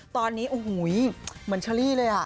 ตอนนี้เหมือนเชลลี่เลยอ่ะ